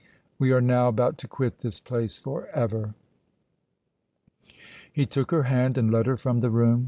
"We are now about to quit this place forever!" He took her hand and led her from the room.